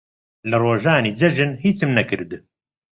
لە ڕۆژانی جەژن هیچم نەکرد.